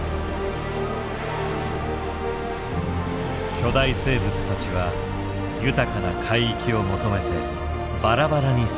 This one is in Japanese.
巨大生物たちは豊かな海域を求めてばらばらに去っていく。